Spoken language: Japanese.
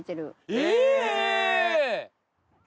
え！